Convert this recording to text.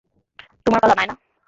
তোমার পালা, নায়না।